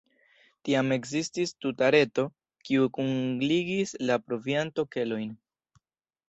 Tiam ekzistis tuta reto, kiu kunligis la provianto-kelojn.